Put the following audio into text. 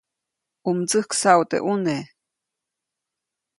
ʼU mtsäjksaʼu teʼ ʼuneʼ.